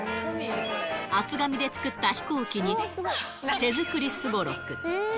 厚紙で作った飛行機に、手作りすごろく。